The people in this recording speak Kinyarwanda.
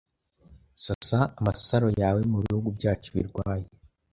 sasa amasaro yawe Mubihugu byacu birwaye